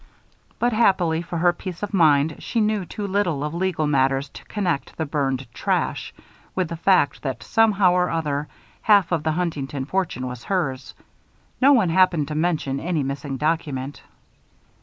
But, happily for her peace of mind, she knew too little of legal matters to connect the burned "trash" with the fact that, somehow or other, half of the Huntington fortune was hers. No one happened to mention any missing document.